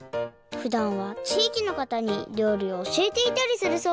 ふだんはちいきのかたにりょうりをおしえていたりするそうです